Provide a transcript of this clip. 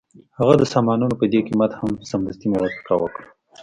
هغه د سامانونو په دې قیمت هم سمدستي موافقه وکړه